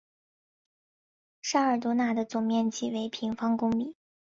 沙尔多讷的总面积为平方公里。